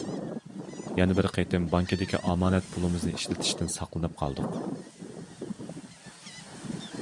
يەنە بىر قېتىم بانكىدىكى ئامانەت پۇلىمىزنى ئىشلىتىشتىن ساقلىنىپ قالدۇق.